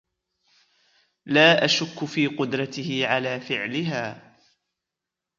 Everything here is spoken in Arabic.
لا أشك في قدرته على فعلها.